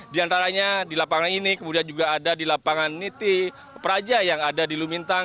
di antaranya di lapangan ini kemudian juga ada di lapangan niti praja yang ada di lumintang